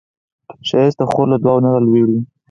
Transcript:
ښایست د خور له دعاوو نه راولاړیږي